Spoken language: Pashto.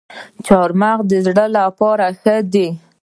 چهارمغز د زړه لپاره ښه دي